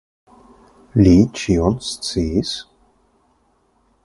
Li ĉion sciis?